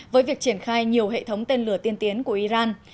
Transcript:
với việc triển khai nhiều hệ thống tên lửa tiên tiến của iran